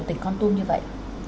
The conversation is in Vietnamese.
tỉnh con tum như vậy